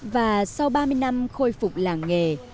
và sau ba mươi năm khôi phục làng nghề